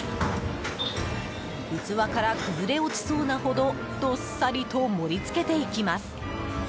器から崩れ落ちそうなほどどっさりと盛り付けていきます。